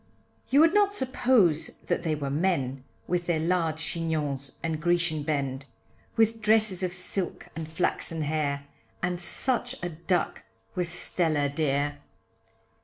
You would not suppose that they were men, With their large Chignons and Grecian bend, With dresses of silk, and flaxen hair, And such a duck was Stella dear.